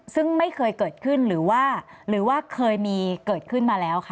ซึ่งไม่เคยเกิดขึ้นหรือว่าหรือว่าเคยมีเกิดขึ้นมาแล้วค่ะ